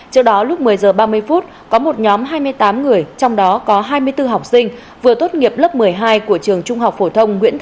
trước đó lúc một mươi h ba mươi phút có một nhóm hai mươi tám người trong đó có hai mươi bốn học sinh vừa tốt nghiệp lớp một mươi hai của trường trung học phổ thông nguyễn